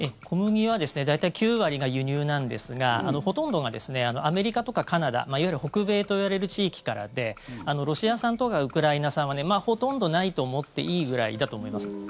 小麦は大体９割が輸入なんですがほとんどがアメリカとかカナダいわゆる北米といわれる地域からでロシア産とかウクライナ産はほとんどないと思っていいぐらいだと思います。